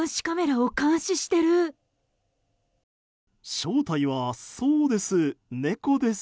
正体は、そうです。